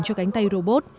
cho cánh tay robot